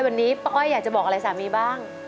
วันนี้ป้าอ้อยอยากจะบอกอะไรสามีบ้าง